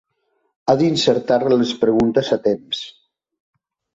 Ha d'insertar les preguntes a temps.